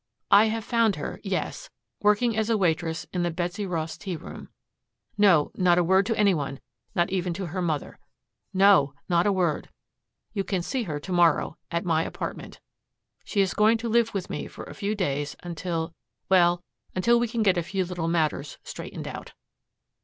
I have found her yes working as a waitress in the Betsy Ross Tea Boom. No not a word to anyone not even to her mother. No not a word. You can see her to morrow at my apartment. She is going to live with me for a few days until well until we get a few little matters straightened out."